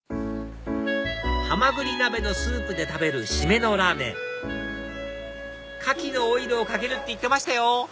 はまぐり鍋のスープで食べる締めのラーメンカキのオイルをかけるって言ってましたよ